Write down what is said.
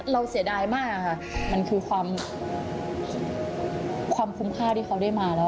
เสียดายมากค่ะมันคือความคุ้มค่าที่เขาได้มาแล้ว